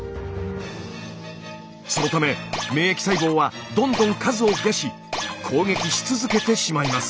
そのため免疫細胞はどんどん数を増やし攻撃し続けてしまいます。